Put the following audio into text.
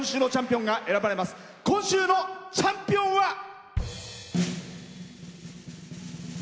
今週のチャンピオンは。